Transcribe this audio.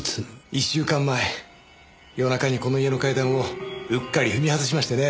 １週間前夜中にこの家の階段をうっかり踏み外しましてね。